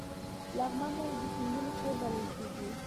لغمان ولې د سیندونو کور بلل کیږي؟